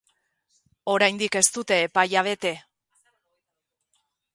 Oraindik ez dute epaia bete.